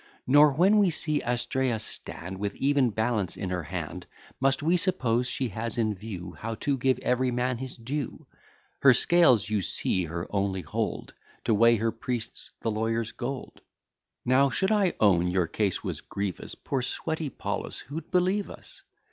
Nor, when we see Astraea stand With even balance in her hand, Must we suppose she has in view, How to give every man his due; Her scales you see her only hold, To weigh her priests' the lawyers' gold. Now, should I own your case was grievous, Poor sweaty Paulus, who'd believe us?